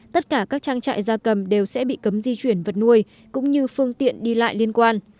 tất cả các trang trại gia cầm đều sẽ bị cấm di chuyển vật nuôi cũng như phương tiện đi lại liên quan